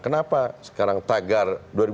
kenapa sekarang tagar